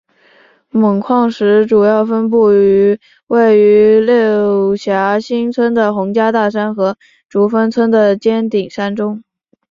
锰矿石主要分布于位于娄霞新村的洪家大山和竹峰村的尖顶山中。